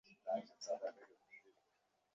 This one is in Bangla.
সমস্যাটি ওসমান সাহেব তিন দিন আগে প্রথম লক্ষ করেন।